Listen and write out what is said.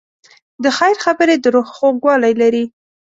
د خیر خبرې د روح خوږوالی لري.